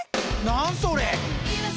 何それ！？